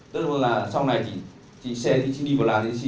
tức là sau này chỉ xe điện thoại